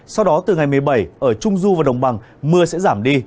sau đó từ ngày một mươi bảy ở trung du và đồng bằng mưa sẽ giảm đi